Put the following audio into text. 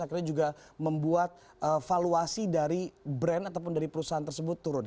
akhirnya juga membuat valuasi dari brand ataupun dari perusahaan tersebut turun